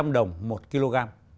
năm trăm linh đồng một kg